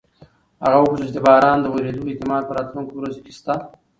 هغه وپوښتل چې د باران د ورېدو احتمال په راتلونکو ورځو کې شته؟